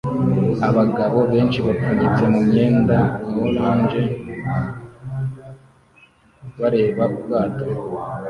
Abagabo benshi bapfunyitse mu mwenda wa orange bareba ubwato